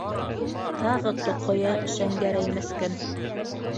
Тағы тоҡоя Шәңгәрәй меҫкен.